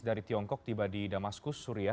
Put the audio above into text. dari tiongkok tiba di damaskus suria